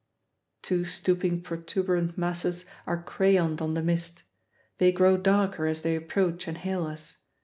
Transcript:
Two stooping protuberant masses are crayoned on the mist; they grow darker as they approach and hail us.